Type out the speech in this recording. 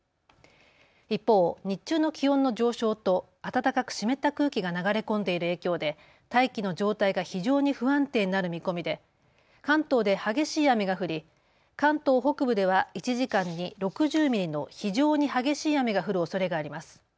一方、日中の気温の上昇と暖かく湿った空気が流れ込んでいる影響で大気の状態が非常に不安定になる見込みで関東で激しい雨が降り関東北部では１時間に６０ミリの非常に激しい雨が降るおそれがあります。